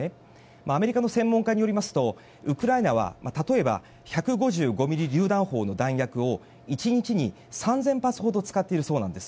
アメリカの専門家によりますとウクライナは例えば１５５ｍｍりゅう弾砲の弾薬を１日に３０００発ほど使っているそうなんです。